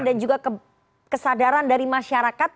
dan juga kesadaran dari masyarakat